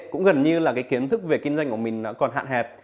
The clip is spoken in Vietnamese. cũng gần như là cái kiến thức về kinh doanh của mình còn hạn hẹp